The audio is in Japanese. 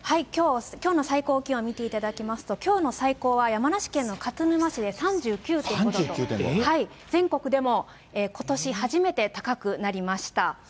きょうの最高気温を見ていただきますと、きょうの最高は、山梨県の勝沼市で３９．５度と、全国でもことし初めて高くなりました。